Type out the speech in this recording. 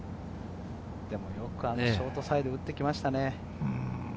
ショートサイドに打ってきましたね。